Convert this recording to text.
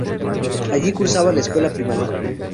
Allí cursaba la escuela primaria.